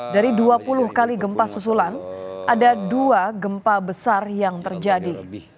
dari dua puluh kali gempa susulan ada dua gempa besar yang terjadi